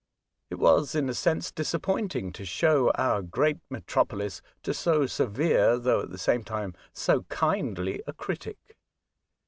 It was, in a sense, disappointing to show our great metropolis to so severe, though, at the same time, so kindly, a critic.